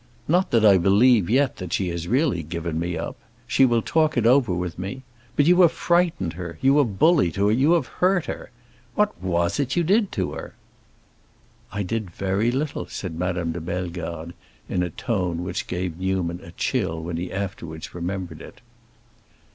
Not that I believe yet she has really given me up; she will talk it over with me. But you have frightened her, you have bullied her, you have hurt her. What was it you did to her?" "I did very little!" said Madame de Bellegarde, in a tone which gave Newman a chill when he afterwards remembered it.